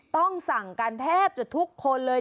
ต้องสั่งกันแทบจะทุกคนเลย